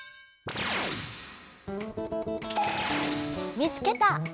見つけた！